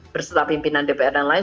bersama pimpinan dpr dan lain lain